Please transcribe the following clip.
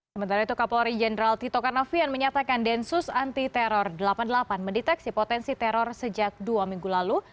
sementara itu kapolri jenderal tito karnavian menyatakan densus anti teror delapan puluh delapan mendeteksi potensi teror sejak dua minggu lalu